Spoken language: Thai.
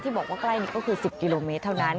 บอกว่าใกล้นี้ก็คือ๑๐กิโลเมตรเท่านั้น